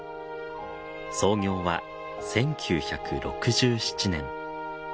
創業は１９６７年。